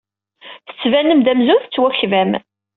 Tettbanem-d amzun tettwakbam.